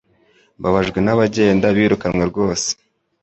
Mbabajwe n'abagenda birukanwe rwose